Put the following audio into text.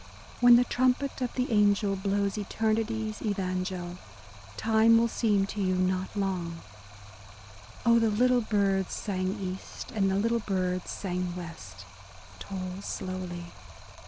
When the trumpet of the angel blows eternity's evangel. Time will seem to you not long. A DAY WITH E. B. BROWNING Oh, the little birds sang east, and the little birds sang west, Toll slowly.